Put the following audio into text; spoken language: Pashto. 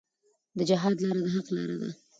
د جهاد لاره د حق لاره ده.